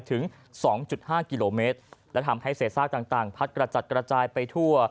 ถึง๒๕กิโลเมตรและทำให้เศษซากต่างพัดกระจัดกระจายไปทั่ว